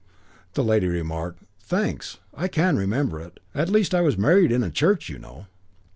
The lady remarked, "Thanks. I can remember it. At least I was married in a church, you know."